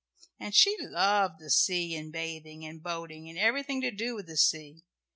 And she loved the sea, and bathing, and boating, and everything to do with the sea.